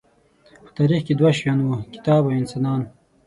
په تاریخ کې دوه شیان وو، کتاب او انسانان.